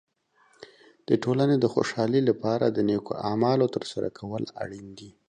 د ټولنې د خوشحالۍ لپاره د نیکو اعمالو تر سره کول اړین دي.